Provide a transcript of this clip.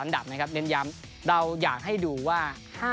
เด้นย้ำเราอยากให้ดูว่า